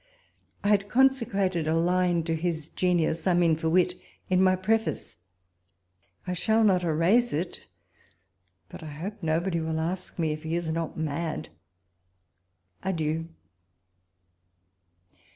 I had conse crated a line to his genius (I mean, for wit) in my Preface : I shall not erase it ; but I hope nobody will ask me if he is not mad. Adieu